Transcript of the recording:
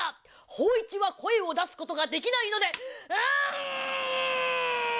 芳一は声を出すことができないので、うーん！